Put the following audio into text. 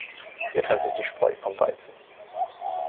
Hier trennt sich die Spreu vom Weizen.